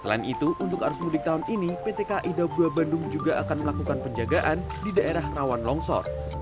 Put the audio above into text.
selain itu untuk arus mudik tahun ini pt kai daup dua bandung juga akan melakukan penjagaan di daerah rawan longsor